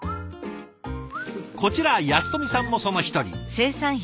こちら安富さんもその一人。